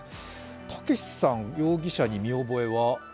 たけしさん、容疑者に見覚えは？